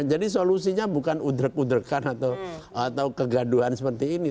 jadi solusinya bukan udrek udrekan atau kegaduhan seperti ini